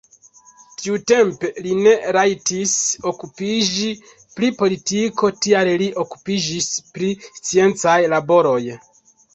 Tiutempe li ne rajtis okupiĝi pri politiko, tial li okupiĝis pri sciencaj laboroj.